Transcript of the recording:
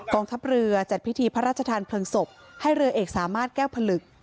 ทัพเรือจัดพิธีพระราชทานเพลิงศพให้เรือเอกสามารถแก้วผลึก